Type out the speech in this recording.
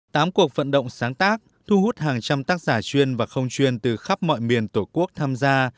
tám cuộc vận động sáng tác thu hút hàng trăm tác giả chuyên và không chuyên từ khắp mọi miền tổ quốc tham gia